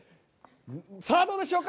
さあ、どうでしょうか。